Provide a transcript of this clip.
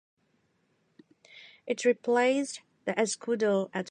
It replaced the escudo at par.